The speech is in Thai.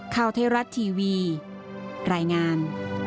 ข้าวเทราะต์ทีวีรายงาน